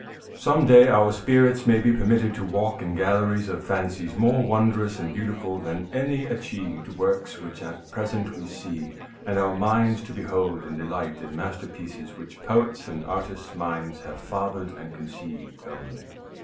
Some day our spirits may be permitted to walk in galleries of fancies more wondrous and beautiful than any achieved works which at present we see, and our minds to behold and delight in masterpieces which poets' and artists' minds have fathered and conceived only.